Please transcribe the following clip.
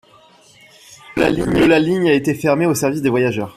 Le la ligne a été fermée au service des voyageurs.